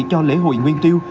cho lễ hội nguyên tiêu